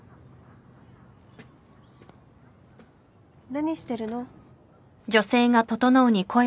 ・何してるの？